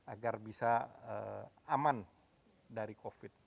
agar bisa aman dari covid